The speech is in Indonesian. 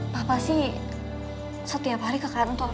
papa sih setiap hari ke kantor